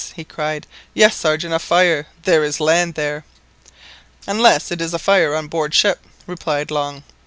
he cried, "yes, Sergeant, a fire; there is land there!" "Unless it is a fire on board ship," replied Long.